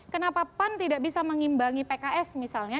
kenapa pan tidak bisa mengimbangi pks misalnya